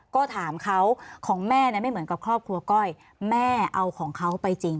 ก็ถามเขาของแม่ไม่เหมือนกับครอบครัวก้อยแม่เอาของเขาไปจริง